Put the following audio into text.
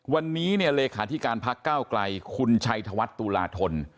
วันนี้เนี่ยเลขาธิการพักก้าวไกลคุณชัยธวัฒน์ตุลาธน